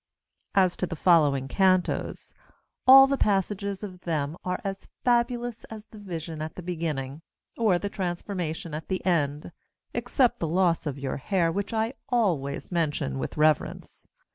As to the following cantos, all the passages of them are as fabulous as the Vision at the beginning, or the Transformation at the end (except the loss of your hair, which I always mention with reverence).